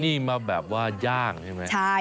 นี่มาแบบว่าย่างใช่ไหม